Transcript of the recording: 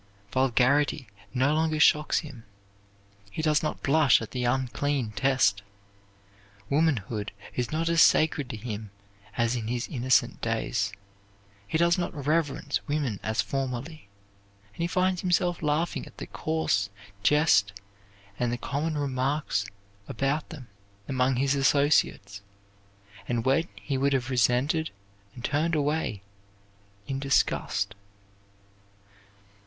Vulgarity no longer shocks him. He does not blush at the unclean test. Womanhood is not as sacred to him as in his innocent days. He does not reverence women as formerly; and he finds himself laughing at the coarse jest and the common remarks about them among his associates, when once he would have resented and turned away in disgust.